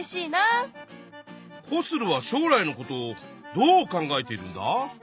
コスルは将来のことどう考えているんだ？